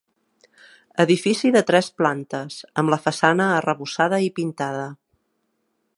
Edifici de tres plantes, amb la façana arrebossada i pintada.